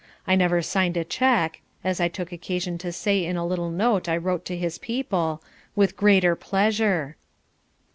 I never signed a check (as I took occasion to say in a little note I wrote to his people) with greater pleasure."